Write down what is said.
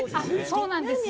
そうなんです。